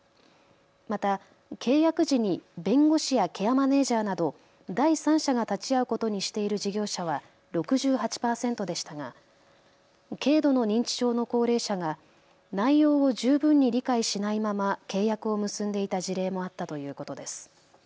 また契約時に弁護士やケアマネージャーなど第三者が立ち会うことにしている事業者は６８％でしたが軽度の認知症の高齢者が内容を十分に理解しないまま契約を結んでいた事例もあったということです。